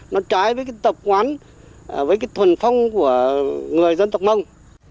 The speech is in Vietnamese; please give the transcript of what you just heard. nó trái với cái tập quán với cái thuần phong của người dân tộc mông